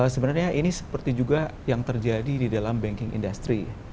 sebenarnya ini seperti juga yang terjadi di dalam banking industry